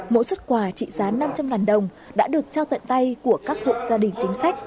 mỗi xuất quà trị giá năm trăm linh đồng đã được trao tận tay của các hộ gia đình chính sách